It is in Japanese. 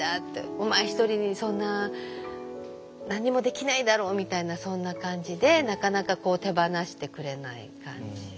「お前ひとりにそんな何もできないだろう」みたいなそんな感じでなかなか手放してくれない感じ。